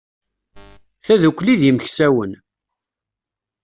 Tadukli d yimeksawen.